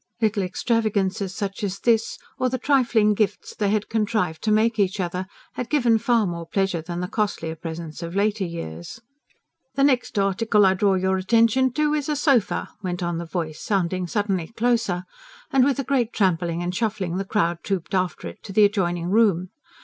Little extravagances such as this, or the trifling gifts they had contrived to make each other had given far more pleasure than the costlier presents of later years. "The next article I draw your attention to is a sofer," went on the voice, sounding suddenly closer; and with a great trampling and shuffling the crowd trooped after it to the adjoining room.